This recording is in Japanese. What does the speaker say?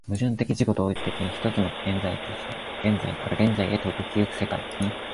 矛盾的自己同一的に、一つの現在として現在から現在へと動き行く世界